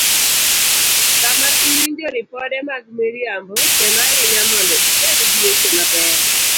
Sama iwinjo ripode mag miriambo, tem ahinya mondo ibed gi weche mabeyo